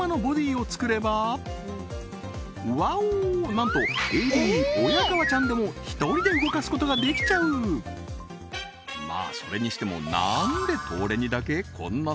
なんとＡＤ親川ちゃんでも１人で動かすことができちゃうま